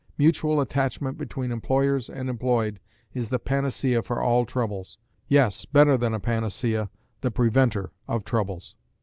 Mutual attachment between employers and employed is the panacea for all troubles yes, better than a panacea, the preventer of troubles.